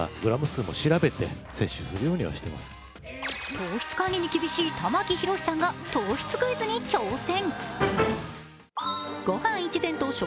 糖質管理に厳しい玉木宏さんが糖質クイズに挑戦。